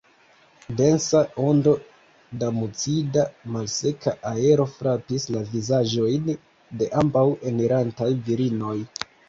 Densa ondo da mucida, malseka aero frapis la vizaĝojn de ambaŭ enirantaj virinoj.